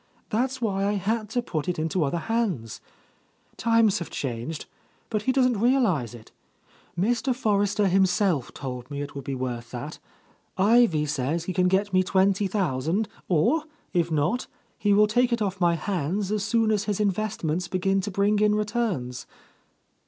That's why I had to put it into other hands. Times have changed, but he doesn't realize it. Mr. Forrester himself told me it would be worth that. Ivy says he can get me twenty thousand, or if not, he will take it off my hands as soon as his investments begin to bring ift returns."